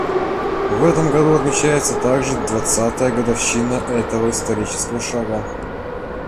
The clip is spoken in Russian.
В этом году отмечается также двадцатая годовщина этого исторического шага.